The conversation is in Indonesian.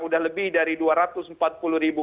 udah lebih dari dua ratus empat puluh ribu